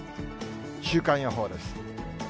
週間予報です。